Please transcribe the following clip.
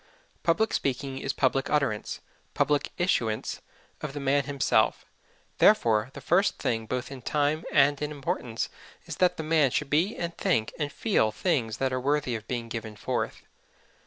Public speaking is public utterance, public issuance, of the man himself; therefore the first thing both in time and in importance is that the man should be and think and feel things that are worthy of being given forth.